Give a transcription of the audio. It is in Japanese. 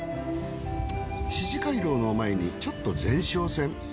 四寺廻廊の前にちょっと前哨戦。